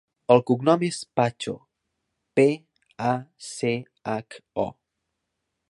El cognom és Pacho: pe, a, ce, hac, o.